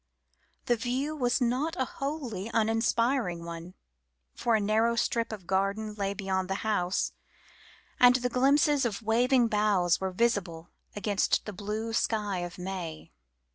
The view was not a wholly uninspiring one, for a narrow strip of garden lay behind the house, and glimpses of waving boughs were visible against the blue sky of May.